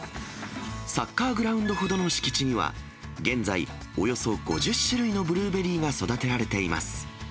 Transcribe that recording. サッカーグラウンドほどの敷地には、現在、およそ５０種類のブルーベリーが育てられています。